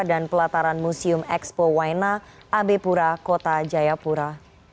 dan pelataran museum expo waina abe pura kota jayapura